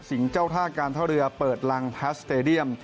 สิงห์เจ้าท่าการเท้าเรือเปิดรังพลาสเตรเดียม